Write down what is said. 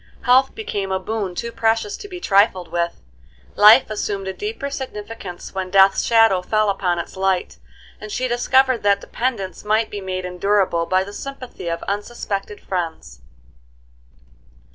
Health became a boon too precious to be trifled with; life assumed a deeper significance when death's shadow fell upon its light, and she discovered that dependence might be made endurable by the sympathy of unsuspected friends.